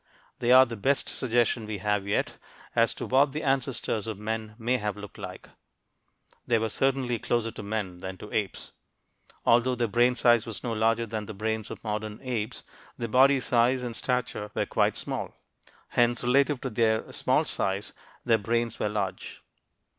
They are the best suggestion we have yet as to what the ancestors of men may have looked like. They were certainly closer to men than to apes. Although their brain size was no larger than the brains of modern apes their body size and stature were quite small; hence, relative to their small size, their brains were large.